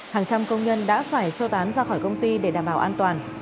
hàng trăm công nhân đã phải sơ tán ra khỏi công ty để đảm bảo an toàn